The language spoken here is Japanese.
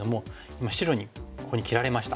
今白にここに切られました。